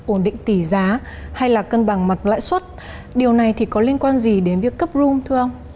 ổn định tỷ giá hay là cân bằng mặt lãi suất điều này thì có liên quan gì đến việc cấp rung thưa ông